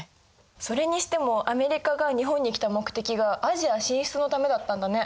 それにしてもアメリカが日本に来た目的がアジア進出のためだったんだね。